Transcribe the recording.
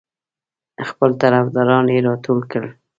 خپل طرفداران یې راټول کړل.